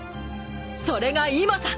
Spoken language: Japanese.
それが今さ！